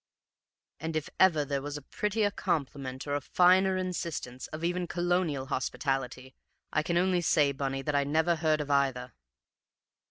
"And if ever there was a prettier compliment, or a finer instance of even Colonial hospitality, I can only say, Bunny, that I never heard of either."